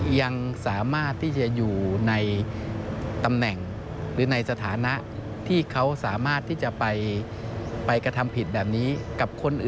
ยังสามารถที่จะอยู่ในตำแหน่งหรือในสถานะ